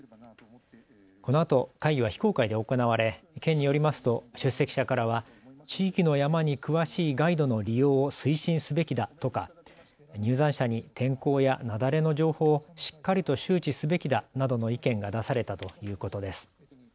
このあと会議は非公開で行われ県によりますと出席者からは地域の山に詳しいガイドの利用を推進すべきだとか入山者に天候や雪崩の情報をしっかりと周知すべきだなどの意見が出されたということです。